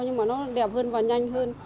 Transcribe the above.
nhưng mà nó đẹp hơn và nhanh hơn